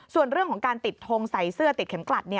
ส่วนเรื่องของการติดทงใส่เสื้อติดเข็มกลัด